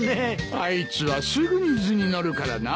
あいつはすぐに図に乗るからな。